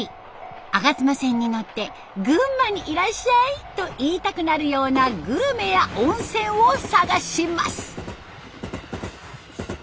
吾妻線に乗って群馬にいらっしゃいと言いたくなるようなグルメや温泉を探します。